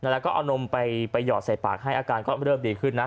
แล้วก็เอานมไปหยอดใส่ปากให้อาการก็เริ่มดีขึ้นนะ